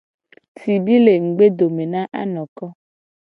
Sibi le ngugbedome na anoko.